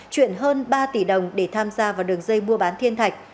chuyển hơn ba tỷ đồng để tham gia vào đường dây mua bán thiên thạch